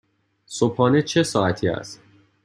صبحانه چه ساعتی است؟